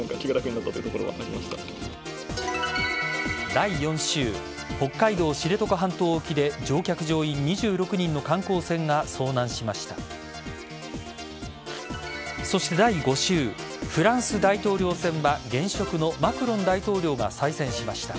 第４週北海道知床半島沖で乗客・乗員２６人の観光船が遭難しました。